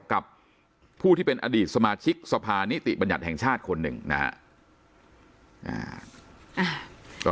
กับผู้ที่เป็นอดีตสมาชิกสภานิติบัญญัติแห่งชาติคนหนึ่งนะครับ